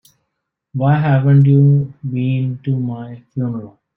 Why haven't you been to my funeral?